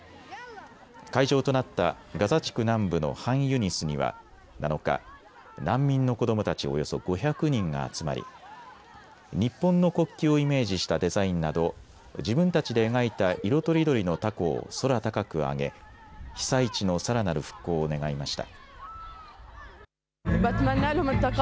会場となったガザ地区南部のハンユニスには７日、難民の子どもたちおよそ５００人が集まり日本の国旗をイメージしたデザインなど自分たちで描いた色とりどりのたこを空高く揚げ被災地のさらなる復興を願いました。